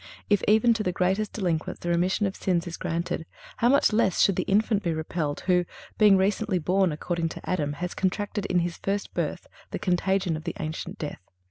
If even to the greatest delinquents the remission of sins is granted, how much less should the infant be repelled, who, being recently born according to Adam, has contracted at his first birth the contagion of the ancient death."